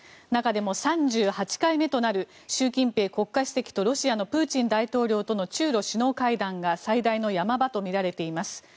中でも３８回目となる習近平国家主席とロシアのプーチン大統領との中ロ首脳会談が最大の山場とみられています。